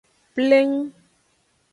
Pleng.